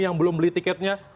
yang belum beli tiketnya